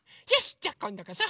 じゃあこんどこそ！